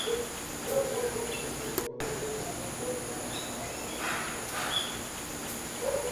Posteriormente se llegó al enfrentamiento entre ambos hermanos, que acabó en acuerdo.